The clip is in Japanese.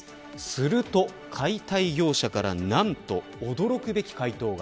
すると、解体業者から何と驚くべき回答が。